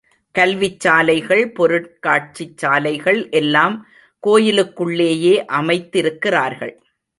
கல்விச் சாலைகள், பொருட்காட்சிச் சாலைகள் எல்லாம் கோயிலுக்குள்ளேயே அமைத்திருக்கிறார்கள்.